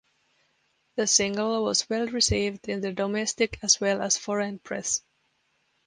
The single was well received in the domestic as well as foreign press.